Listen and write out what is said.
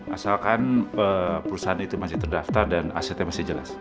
asalkan perusahaan itu masih terdaftar dan asetnya masih jelas